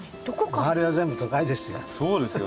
周りは全部都会ですよ。